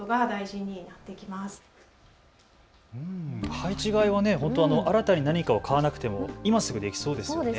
配置換えは新たに何かを買わなくても今すぐできそうですよね。